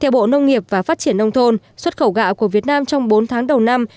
theo bộ nông nghiệp và phát triển nông thôn xuất khẩu gạo của việt nam trong bốn tháng đầu năm